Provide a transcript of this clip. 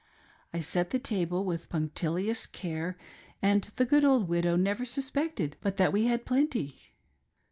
I set the table with punctilious care, and the good old widow never suspected but that we had plenty.